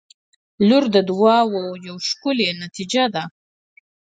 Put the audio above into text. • لور د دعاوو یوه ښکلي نتیجه ده.